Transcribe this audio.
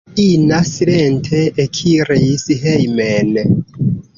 Ina silente ekiris hejmen.